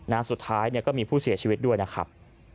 นานสุดท้ายก็มีผู้เสียชีวิตด้วยนะครับ